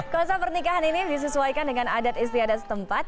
kosa pernikahan ini disesuaikan dengan adat istiadat setempat